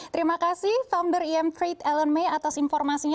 terima kasih founder im trade ellen may atas informasinya